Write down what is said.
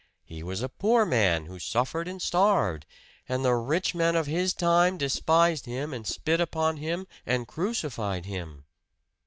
He was a poor man, who suffered and starved! And the rich men of His time despised Him and spit upon Him and crucified Him!"